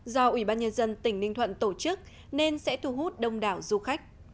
do ubnd tỉnh bình thuận tổ chức nên sẽ thu hút đông đảo du khách